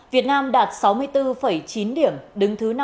việt nam đạt sáu mươi bốn chín điểm đứng thứ năm mươi ba